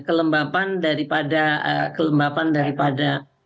kelembapan daripada kelembapan daripada